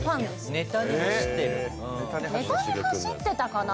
ネタに走ってたかな？